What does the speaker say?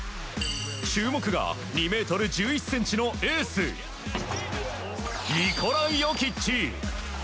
注目が２ｍ１１ｃｍのエースニコラ・ヨキッチ。